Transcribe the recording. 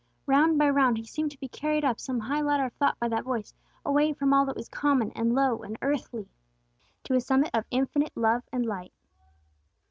Round by round, he seemed to be carried up some high ladder of thought by that voice, away from all that was common and low and earthly, to a summit of infinite love and light.